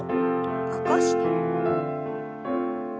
起こして。